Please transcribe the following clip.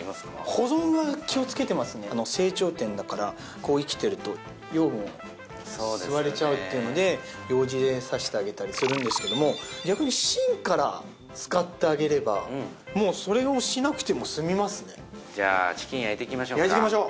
保存は気をつけてますねあの成長点だから生きてると養分を吸われちゃうっていうのでようじで刺してあげたりするんですけども逆に芯から使ってあげればもうそれをしなくても済みますねじゃあチキン焼いていきましょうか焼いていきましょう！